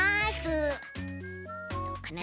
どうかな？